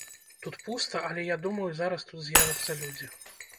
Тут пуста, але я думаю, зараз тут з'явяцца людзі.